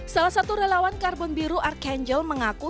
salah satu relawan karbon biru arkanel mengaku